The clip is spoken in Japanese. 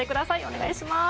お願いします。